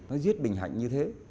nó giết bình hạnh như thế